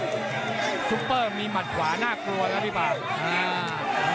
มีซุปเปอร์มีมัดหวาน่ากลัวนะพี่บัง